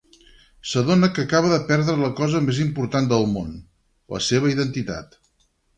S'adona que acaba de perdre la cosa més important al món: la seva identitat.